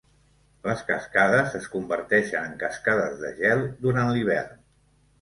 Les cascades es converteixen en cascades de gel durant l'hivern.